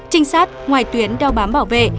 trinh sát ngoài tuyến đeo bám bảo vệ